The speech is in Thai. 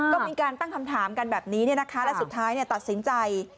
ก็มีการตั้งคำถามกันแบบนี้และสุดท้ายตัดสินใจ